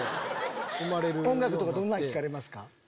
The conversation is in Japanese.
音楽とかどんなの聴かれますか？